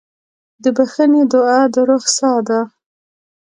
د بښنې دعا د روح ساه ده.